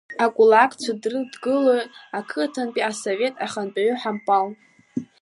Акулакцәа дрыдгылоит ақыҭантәи асовет ахантәаҩы Ҳампал.